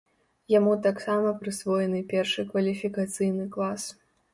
Яму таксама прысвоены першы кваліфікацыйны клас.